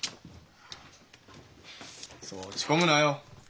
そう落ち込むなよ。